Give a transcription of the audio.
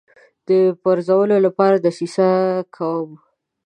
د پرزولو لپاره دسیسه کوم.